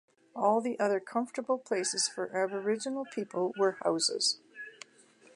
All the other "comfortable places" for Aboriginal people were houses.